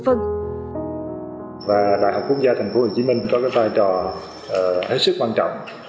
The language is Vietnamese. và đại học quốc gia thành phố hồ chí minh có vai trò hết sức quan trọng